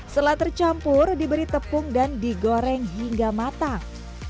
setelah tercampur diberi tepung dan digoreng hingga matang